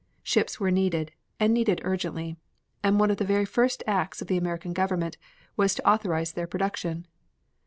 Ships were needed, and needed urgently, and one of the very first acts of the American Government was to authorize their production.